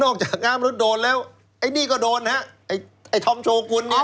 นอกจากค้ามนุษย์โดนแล้วไอ้นี่ก็โดนนะฮะ